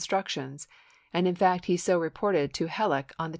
L,ar' structions, and in fact he so reported to Halleck on mlX p.